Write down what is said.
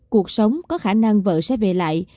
cuộc sống có khả năng vợ sẽ về lại